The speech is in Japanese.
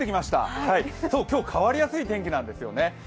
今日、変わりやすい天気なんですよね。